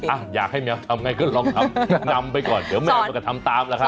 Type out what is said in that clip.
อ่ะอยากให้แมวทำไงก็ลองทำนำไปก่อนเดี๋ยวแมวมันก็ทำตามล่ะครับ